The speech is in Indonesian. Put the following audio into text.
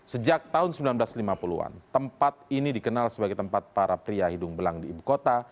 sejak tahun seribu sembilan ratus lima puluh an tempat ini dikenal sebagai tempat para pria hidung belang di ibu kota